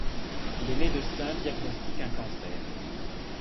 Les médecins diagnostiquent un cancer.